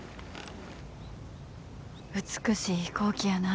美しい飛行機やな。